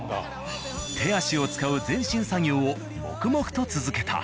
手足を使う全身作業を黙々と続けた。